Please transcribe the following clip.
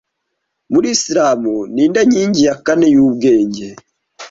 Muri Islamu ninde nkingi ya kane yubwenge